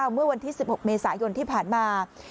เมื่อวันที่๑๖เมษายนที่ผ่านมา